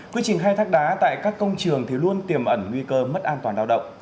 quy trình khai thác đá tại các công trường thì luôn tiềm ẩn nguy cơ mất an toàn lao động